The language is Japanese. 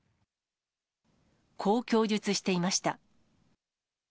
こう供述していました。